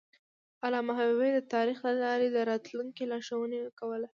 علامه حبیبي د تاریخ له لارې د راتلونکي لارښوونه کوله.